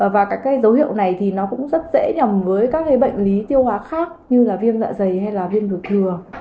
và các dấu hiệu này thì nó cũng rất dễ nhầm với các bệnh lý tiêu hóa khác như là viêm dạ dày hay là viêm đổi thừa